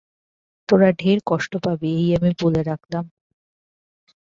তোরা ঢের কষ্ট পাবি, এই আমি বলে রাখলাম।